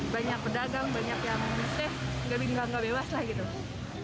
banyak pedagang banyak yang meseh gak bebas lah gitu